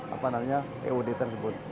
apa namanya eod tersebut